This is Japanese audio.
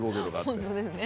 本当ですね。